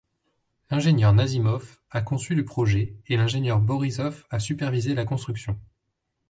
L'ingénieur Nazimov a conçu le projet et l'ingénieur Borisov a supervisé la construction.